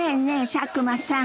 佐久間さん